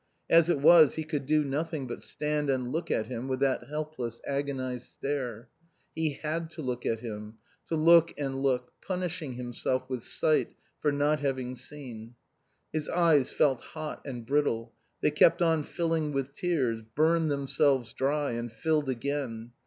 As it was he could do nothing but stand and look at him with that helpless, agonized stare. He had to look at him, to look and look, punishing himself with sight for not having seen. His eyes felt hot and brittle; they kept on filling with tears, burned themselves dry and filled again.